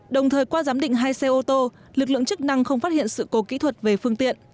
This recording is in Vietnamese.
đồng thời qua giám định hai xe ô tô lực lượng chức năng không phát hiện sự cố kỹ thuật về phương tiện